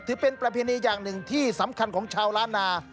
ถือเป็นประเพณีอย่างหนึ่งที่สำคัญของชาวล้านนา